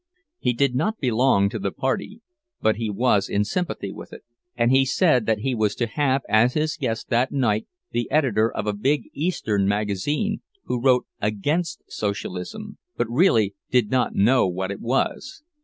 He did not belong to the party, but he was in sympathy with it; and he said that he was to have as his guest that night the editor of a big Eastern magazine, who wrote against Socialism, but really did not know what it was.